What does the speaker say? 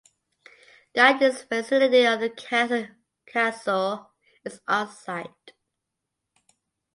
Guidance facility of the castle is on site.